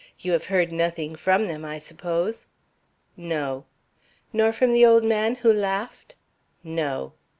You have heard nothing from them, I suppose?" "No." "Nor from the old man who laughed?" "No."